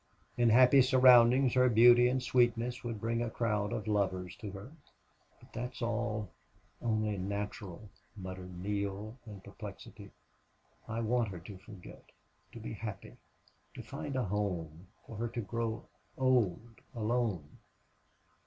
In happy surroundings her beauty and sweetness would bring a crowd of lovers to her. "But that's all only natural," muttered Neale, in perplexity. "I want her to forget to be happy to find a home.... For her to grow old alone!